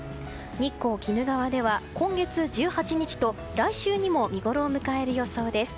日光・鬼怒川では今月１８日と来週にも見ごろを迎える予想です。